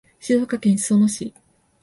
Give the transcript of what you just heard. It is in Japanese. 静岡県裾野市